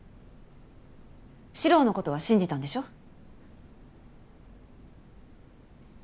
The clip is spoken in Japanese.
獅郎のことは信じたんでしょ？